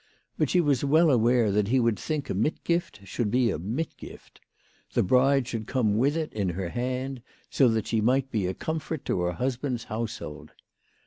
But she was well aware that he would think that a mitgift should be a mitgif t. The bride should come with it in her hand, so that she might be a comfort to her husband's household.